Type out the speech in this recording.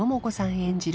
演じる